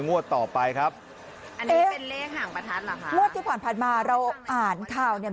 ลวดที่ผ่านผ่านมาเราอ่านข่าวเนี่ย